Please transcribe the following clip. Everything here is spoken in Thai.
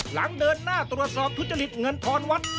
หลังเดินหน้าตรวจสอบทุจริตเงินทอนวัด